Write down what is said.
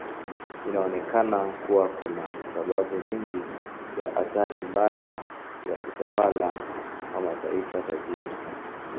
Inaonekana kuwa kuna sababu nyingi za athari mbaya ya utawala wa mataifa tajiri.